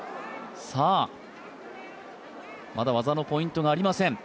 まだ技のポイントがありません。